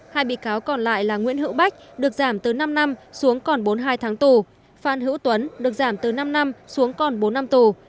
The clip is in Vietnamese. hai bị cáo còn lại là nguyễn hữu bách được giảm từ năm năm xuống còn bốn mươi hai tháng tù phan hữu tuấn được giảm từ năm năm xuống còn bốn năm tù